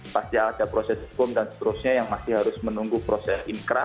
pas ya ada proses bom dan seterusnya yang masih harus menunggu proses inkrah